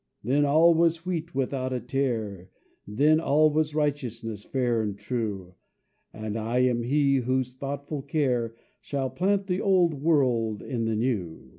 "Then all was wheat without a tare, Then all was righteous, fair, and true; And I am he whose thoughtful care Shall plant the Old World in the New.